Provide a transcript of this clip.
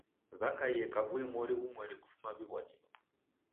W'akaie kavui mori ghumweri kufuma w'iw'adilo.